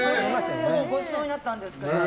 ごちそうになったんですけど。